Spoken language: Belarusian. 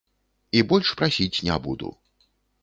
І больш прасіць не буду.